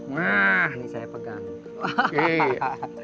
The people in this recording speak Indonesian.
nah ini saya pegang